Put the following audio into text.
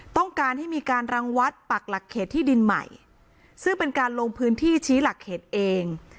ต้องการให้มีการรังวัดปักหลักเขตที่ดินใหม่ซึ่งเป็นการลงพื้นที่ชี้หลักเขตเอง